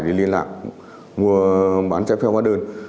để liên lạc mua bán trái phép hóa đơn